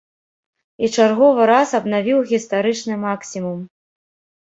І чарговы раз абнавіў гістарычны максімум.